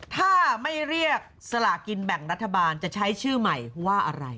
ถ้าไม่เรียกสลากินแบ่งรัฐบาลจะใช้ชื่อใหม่ว่าอะไร